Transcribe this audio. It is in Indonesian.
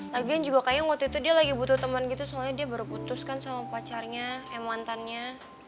lagian juga kayaknya waktu itu dia lagi butuh temen gitu soalnya dia baru putus kan sama pacarnya ya mantannya